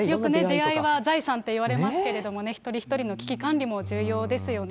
出会いは財産っていわれますけれどもね、一人一人の危機管理も重要ですよね。